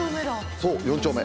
そう４丁目。